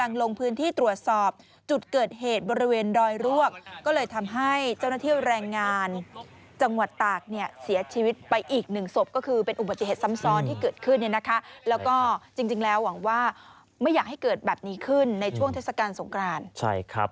ลงพื้นที่ตรวจสอบจุดเกิดเหตุบริเวณดอยรวกก็เลยทำให้เจ้าหน้าที่แรงงานจังหวัดตากเนี่ยเสียชีวิตไปอีกหนึ่งศพก็คือเป็นอุบัติเหตุซ้ำซ้อนที่เกิดขึ้นเนี่ยนะคะแล้วก็จริงแล้วหวังว่าไม่อยากให้เกิดแบบนี้ขึ้นในช่วงเทศกาลสงครานใช่ครับ